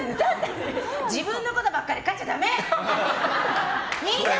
自分のことばっかり書いちゃダメ！